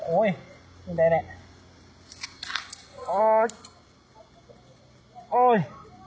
โอ๊ยไม่ได้เลย